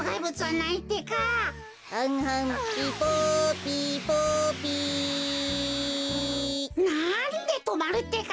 なんでとまるってか！